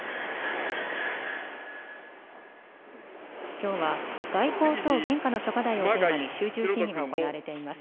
きょうは外交等現下の諸課題をテーマに集中審議が行われています。